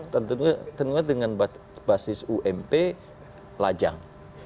tentunya dengan basis ump lajang